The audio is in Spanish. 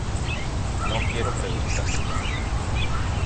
no quiero preguntas.